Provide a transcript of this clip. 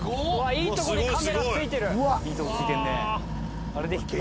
いいとこにカメラ付いてる。